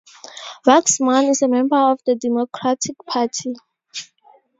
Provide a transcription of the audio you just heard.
Waxman is a member of the Democratic Party.